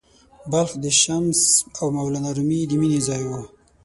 بلخ د “شمس او مولانا رومي” د مینې ځای و.